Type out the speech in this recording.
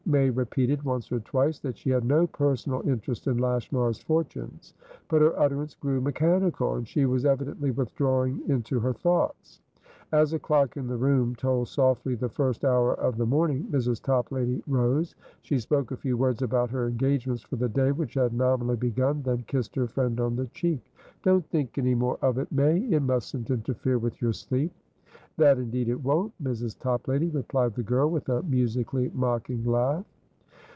May repeated once or twice that she had no personal interest in Lashmar's fortunes, but her utterance grew mechanical, and she was evidently withdrawing into her thoughts. As a clock in the room told softly the first hour of the morning, Mrs. Toplady rose; she spoke a few words about her engagements for the day which had nominally begun, then kissed her friend on the cheek. "Don't think any more of it, May. It mustn't interfere with your sleep." "That indeed it won't, Mrs. Toplady!" replied the girl, with a musically mocking laugh.